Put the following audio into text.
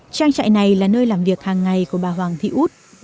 trang trại này là nơi làm việc hàng ngày của bà hoàng thị út